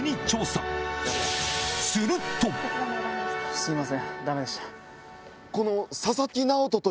すいませんダメでした。